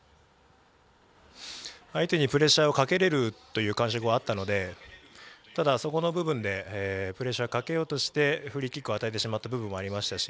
相手にプレッシャーをかけれるという感触はあったのでただ、そこの部分でプレッシャーかけようとしてフリーキックを与えてしまったところもありましたし